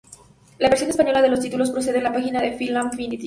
La versión española de los títulos procede de la página de FilmAffinity.